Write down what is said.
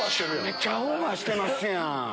めっちゃオーバーしてますやん。